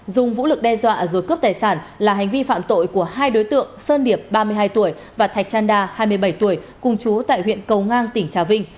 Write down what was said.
dùng vũ lực đe dọa rồi cướp tài sản là hành vi phạm tội của hai đối tượng sơn điệp ba mươi hai tuổi và thạch chan đa hai mươi bảy tuổi cùng chú tại huyện cầu ngang tỉnh trà vinh